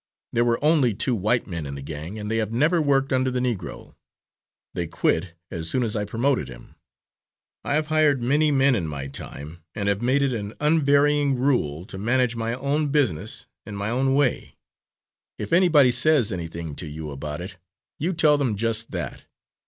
There were only two white men in the gang, and they have never worked under the Negro; they quit as soon as I promoted him. I have hired many men in my time and have made it an unvarying rule to manage my own business in my own way. If anybody says anything to you about it, you tell them just that.